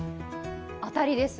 当たりです。